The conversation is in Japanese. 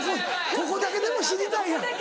ここだけでも知りたいわ。